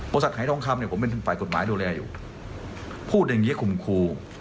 หายทองคำเนี่ยผมเป็นฝ่ายกฎหมายดูแลอยู่พูดอย่างนี้ข่มครู